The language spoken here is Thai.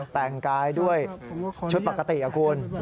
แต่งกายด้วยชุดปกติคุณ